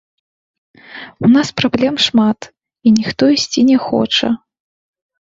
У нас праблем шмат, і ніхто ісці не хоча.